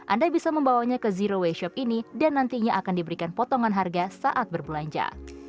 anda bisa membawanya ke zero waste shop ini dan nantinya akan diberikan potongan harga saat berbelanja